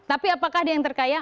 tapi apakah dia yang terkaya